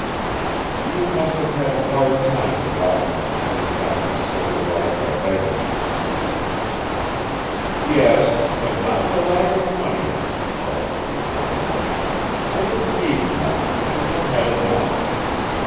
You must have had a hard time, Robin, coming back to civil life a beggar." "Yes, but not for lack of money," Hollister replied. "I didn't need much and I had enough.